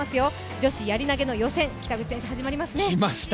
女子やり投、北口選手、始まりますね。